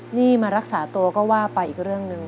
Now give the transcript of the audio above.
นี่มารักษาตัวก็ว่าไปอีกเรื่องหนึ่ง